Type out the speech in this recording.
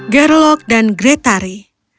gerlok dan gretari